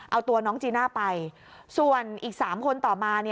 เอาตัวน้องจีน่าไปส่วนอีก๓คนต่อมา